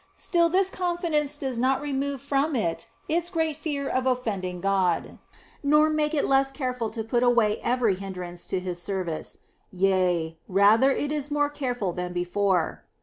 Still, this confidence does not remove from it its great fear of offending God, nor make it less careful to put away every hindrance to His service, yea, rather, it is more careful than before.